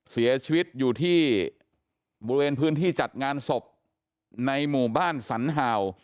เสียชีวิตอยู่ที่บริเวณพื้นที่จัดงานศพในหมู่บ้านสันเห่า